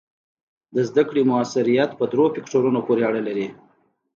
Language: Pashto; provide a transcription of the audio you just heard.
د زده کړې مؤثریت په دریو فکتورونو پورې اړه لري.